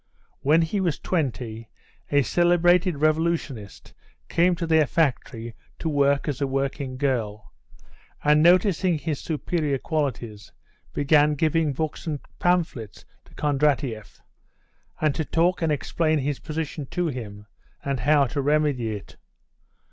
When he was twenty a celebrated revolutionist came to their factory to work as a working girl, and noticing his superior qualities began giving books and pamphlets to Kondratieff and to talk and explain his position to him, and how to remedy it.